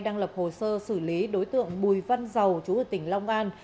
đang lập hồ sơ xử lý đối tượng bùi văn dầu chú ở tỉnh long an